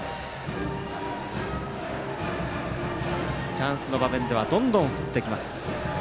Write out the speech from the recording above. チャンスの場面ではどんどん振ってきます。